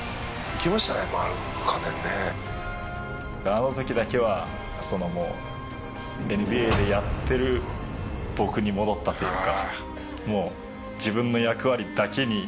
あの時だけはＮＢＡでやってる僕に戻ったというか。